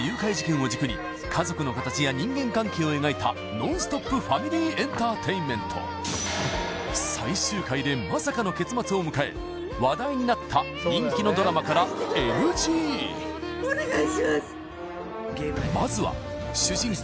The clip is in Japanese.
ノンストップファミリーエンターテインメント最終回でまさかの結末を迎え話題になった人気のドラマからＮＧまずは主人公